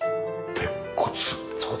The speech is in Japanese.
鉄骨。